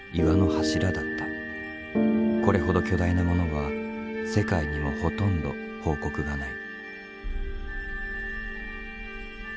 これほど巨大なものは世界にもほとんど報告がない。